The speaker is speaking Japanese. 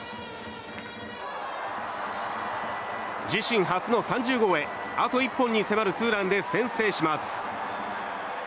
自身初の３０号へあと１本に迫るツーランで先制します。